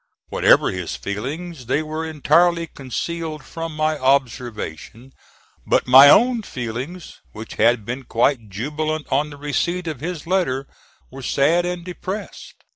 Whatever his feelings, they were entirely concealed from my observation; but my own feelings, which had been quite jubilant on the receipt of his letter, were sad and depressed.